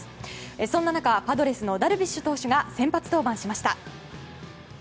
そんな中、パドレスのダルビッシュ投手が先発登板しました。